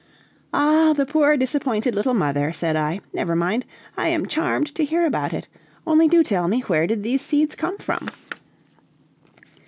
"Ah, the poor disappointed little mother!" said I. "Never mind! I am charmed to hear about it. Only do tell me where did these seeds come from?"